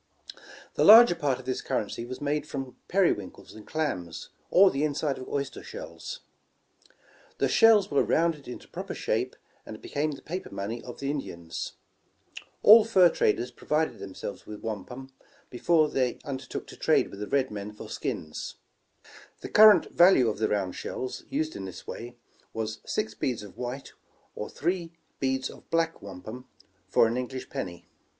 The larger part of this currency was made from peri winkles and clams, or the inside of oyster shells. The shells were rounded into proper shape, and became the paper money of the Indians. All fur traders provided 123 The Original John Jacob Astor themselves with wampum, before they undertook to trade with the red men for skins. The current value of the round shells, used in this way, was six beads of white, or three heads of black wampum, for an English penny.